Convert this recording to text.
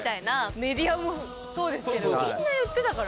メディアもそうですけど、みんな言ってたから。